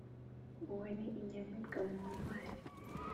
uwo ni inyamibwa mu ntwari